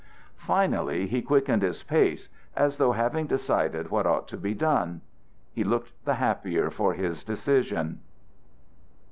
Finally he quickened his pace as though having decided what ought to be done. He looked the happier for his decision.